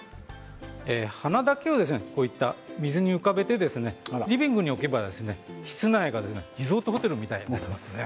花だけを水に浮かべてリビングに置けば室内がリゾートホテルみたいになっちゃいますね。